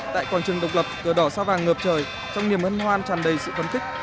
tại quảng trường độc lập cờ đỏ sao vàng ngập trời trong niềm hân hoan tràn đầy sự phấn khích